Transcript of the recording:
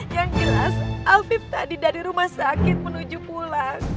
yang jelas albib tadi dari rumah sakit menuju pulang